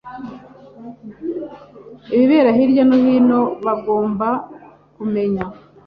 ibibera hirya no hino bagomba kumenya